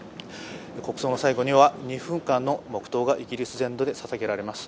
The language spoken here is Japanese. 国葬の最後には２分間の黙とうがイギリス全土でささげられます。